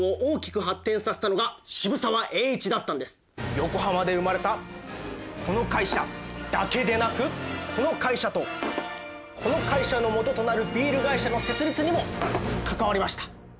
実は横浜で生まれたこの会社だけでなくこの会社とこの会社の元となるビール会社の設立にも関わりました。